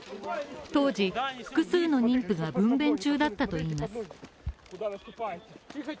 当時、複数の妊婦が分べん中だったといいます。